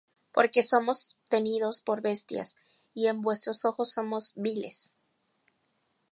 ¿Por qué somos tenidos por bestias, Y en vuestros ojos somos viles?